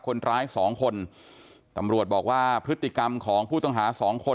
คนร้ายสองคนตำรวจบอกว่าพฤติกรรมของผู้ต้องหาสองคน